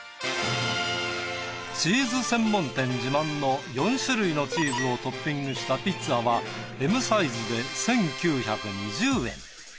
チーズ専門店自慢の４種類のチーズをトッピングしたピッツァはＭサイズで１，９２０円。